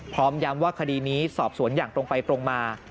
พร้อมย้ำว่าคดีนี้สอบสวนอย่างตรงไปตรงมา